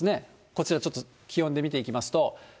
こちらちょっと、気温で見ていきます